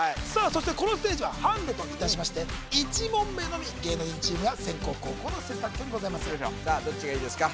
そしてこのステージはハンデといたしまして１問目のみ芸能人チームが先攻後攻の選択権がございますさあどっちがいいですか？